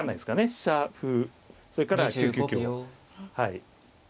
飛車歩それから９九香も。